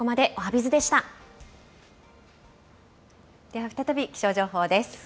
では再び気象情報です。